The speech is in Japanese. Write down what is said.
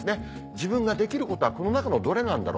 自分ができることはこの中のどれなんだろう？